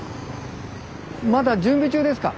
まだ準備中ですか？